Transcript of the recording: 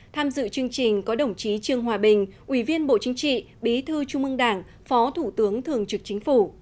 tham dự chương trình có đồng chí trương hòa bình ủy viên bộ chính trị bí thư trung ương đảng phó thủ tướng thường trực chính phủ